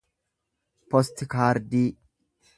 postikaardii